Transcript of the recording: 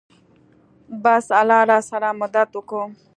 بس الله راسره مدد وکو.